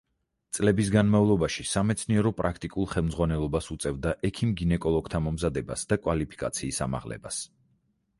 წლების განმავლობაში სამეცნიერო–პრაქტიკულ ხელმძღვანელობას უწევდა ექიმ–გინეკოლოგთა მომზადებას და კვალიფიკაციის ამაღლებას.